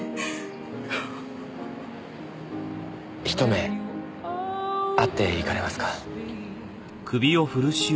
ひと目会っていかれますか？